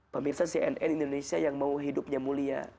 pemirsa cnn indonesia yang mau hidupnya mulia